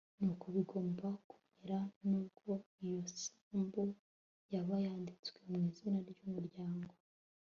nuko bigomba kumera n'ubwo iyo sambu yaba yanditswe mu izina ry'umugabo